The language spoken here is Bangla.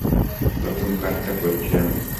প্রথম কার্ডটা পড়ছি আমি।